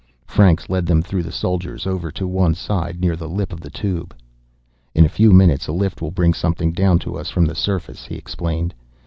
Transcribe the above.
Franks led them through the soldiers, over to one side, near the lip of the Tube. "In a few minutes, a lift will bring something down to us from the surface," he explained.